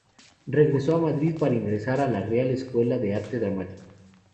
Regresó a Madrid para ingresar en la Real Escuela de Arte Dramático.